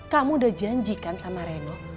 kamu udah janjikan sama reno